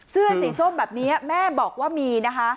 เสื้อสีส้มแบบนี้แม่บอกว่ามีนะคะ